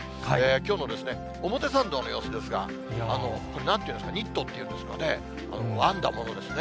きょうの表参道の様子ですが、これ、なんていうんですか、ニットっていうんですかね、編んだものですね。